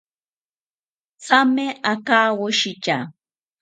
Thame akawoshita